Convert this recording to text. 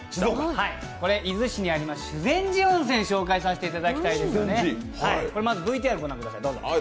これ伊豆市にあります、修善寺温泉紹介させていただきます。